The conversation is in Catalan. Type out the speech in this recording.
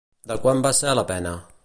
De quant va ser la pena?